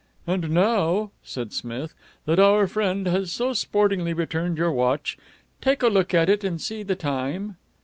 "And now," said Smith, "that our friend has so sportingly returned your watch, take a look at it and see the time.